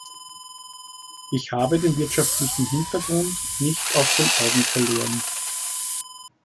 Ich habe den wirtschaftlichen Hintergrund nicht aus den Augen verloren.